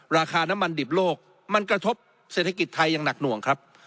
ราคาน้ำมันดิบโลกมันกระทบเศรษฐกิจไทยอย่างหนักหน่วงครับ